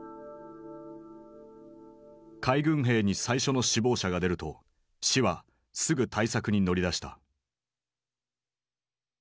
海軍兵に最初の死亡者が出ると市はすぐ対策に乗り出した。